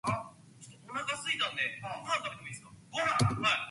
Local law enforcement and the intervened for her rescue.